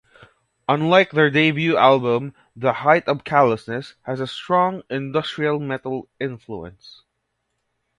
Unlike their debut album, "The Height of Callousness" has a strong industrial metal influence.